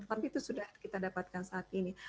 tapi itu sudah kita dapatkan saat ini